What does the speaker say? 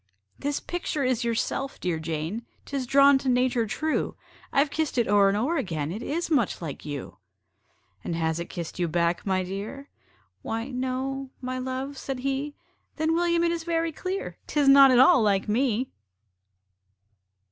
"This picture is yourself, dear Jane 'Tis drawn to nature true: I've kissed it o'er and o'er again, It is much like you." "And has it kissed you back, my dear?" "Why no my love," said he. "Then, William, it is very clear 'Tis not at all LIKE ME!"